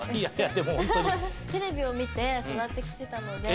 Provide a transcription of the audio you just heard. テレビを見て育ってきてたので。